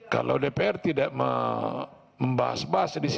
kalau dpr tidak membahas bahwa dpr itu apa